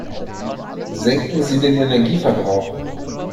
Senken Sie den Energieverbrauch!